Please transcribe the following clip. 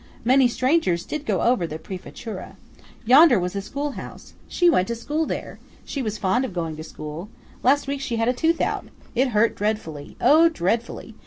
Many strangers did go over the Prefettura. Yonder was the schoolhouse. She went to school there. She was fond of going to school. Last week she had a tooth out. It hurt dreadfully–oh! dreadfully.